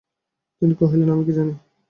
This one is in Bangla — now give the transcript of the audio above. তিনি কহিলেন, আমি কী জানি।